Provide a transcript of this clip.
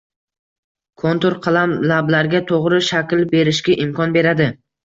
Kontur qalam lablarga to‘g‘ri shakl berishga imkon beradi